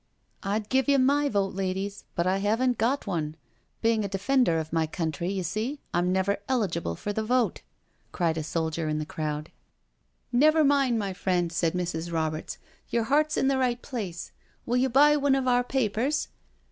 "I'd give you my vote, ladies, but I haven't got one; being a defender of my country, you see, I'm never eligible for the vote," cried a soldier in the crowd. '• Never mind, my friend," said Mrs. Roberts. " Your heart's in the right place. Will you buy one of our papers?